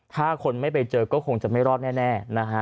ถ้าคนไม่ไปเจอก็คงจะไม่รอดแน่นะฮะ